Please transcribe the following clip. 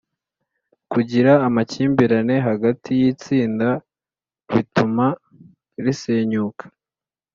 kugira amakimbirane hagati y’itsinda bituma risenyuka